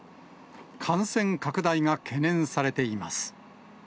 感染拡大が懸念されています。